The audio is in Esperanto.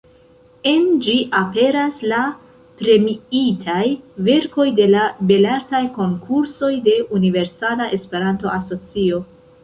En ĝi aperas la “Premiitaj verkoj de la Belartaj konkursoj de Universala Esperanto-Asocio’’.